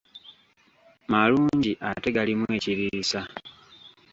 Malungi ate galimu ekiriisa